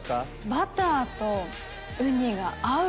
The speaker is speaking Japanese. バターとウニが合う！